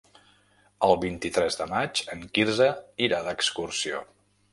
El vint-i-tres de maig en Quirze irà d'excursió.